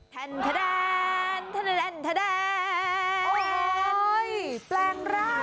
แปลงร่างแล้วค่ะ